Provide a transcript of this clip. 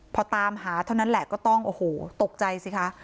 พอตามหาเท่านั้นแหละก็ต้องโอ้โหตกใจสิคะ